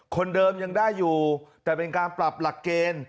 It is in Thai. คนเดิมยังได้อยู่แต่เป็นการปรับหลักเกณฑ์